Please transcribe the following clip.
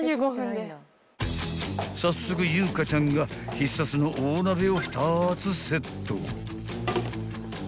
［早速優香ちゃんが必殺の大鍋を２つセット］